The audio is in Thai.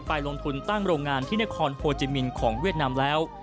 ไปลงทุนตั้งโรงงานที่นครโฮจิมินของเวียดนามแล้ว